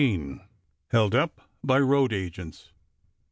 HELD UP BY ROAD AGENTS.